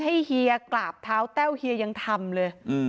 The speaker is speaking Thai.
เฮียกราบเท้าแต้วเฮียยังทำเลย